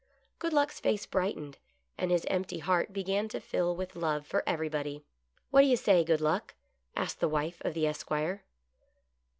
Good Luck's face brightened, and his empty heart began to fill with love for everybody. What do you say. Good Luck }" asked the wife of the Esquire.